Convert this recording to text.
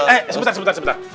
eh sebentar sebentar